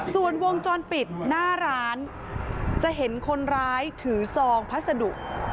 ส่วนวงจรปิดหน้าร้านจะเห็นคนร้ายถือซองพัสดุ